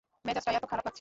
মেজাজটা এত খারাপ লাগছে!